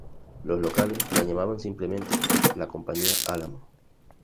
Los locales la llamaban simplemente la "Compañía Álamo".